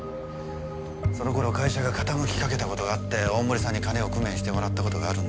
その頃会社が傾きかけた事があって大森さんに金を工面してもらった事がある